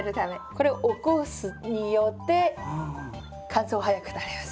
これ起こすことによって乾燥早くなります。